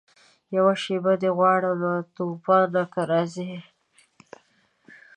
یوه شېبه دي غواړمه توپانه که راځې